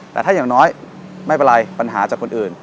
แต่ถ้าอย่างน้อยไม่เป็นไรปัญหาจากคนอื่น